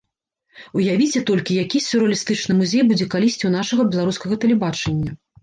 Уявіце толькі, які сюррэалістычны музей будзе калісьці ў нашага беларускага тэлебачання!